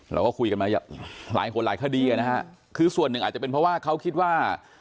เราก็คุยกันมาหลายคนหลายคดีนะฮะคือส่วนหนึ่งอาจจะเป็นเพราะว่าเขาคิดว่า